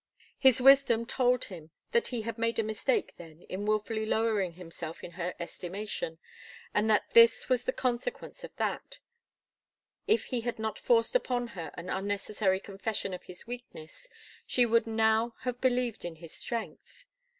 His wisdom told him that he had made a mistake then, in wilfully lowering himself in her estimation, and that this was the consequence of that; if he had not forced upon her an unnecessary confession of his weakness, she would now have believed in his strength.